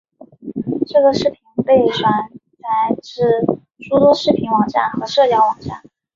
这个视频被转载至诸多视频网站和社交网站。